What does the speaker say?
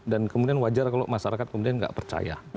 dan kemudian wajar kalau masyarakat kemudian enggak percaya